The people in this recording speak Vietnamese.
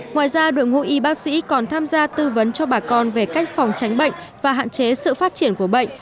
ngoài ra đội ngũ y bác sĩ còn tham gia tư vấn cho bà con về cách phòng tránh bệnh và hạn chế sự phát triển của bệnh